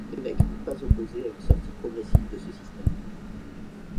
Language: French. L'évêque n'est pas opposé à une sortie progressive de ce système.